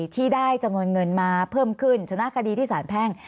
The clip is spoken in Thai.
ที่ได้จำนวนเงินมาเพิ่มขึ้นชนะคดีที่สารแพ่ง